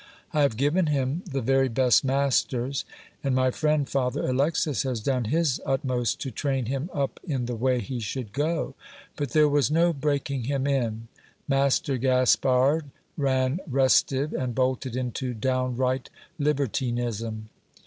I have given him the very best masters ; and my friend Father Alexis has done his utmost to train him up in the way he should go ; but there was no breaking him in ; Master Gas pard ran restive, and bolted into downright libertinism.